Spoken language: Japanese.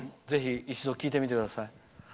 ぜひ一度聴いてみてください。